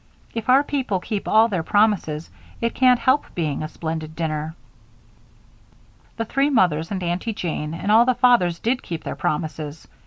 If our people keep all their promises, it can't help being a splendid dinner." The three mothers and Aunty Jane and all the fathers did keep their promises.